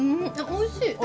おいしい！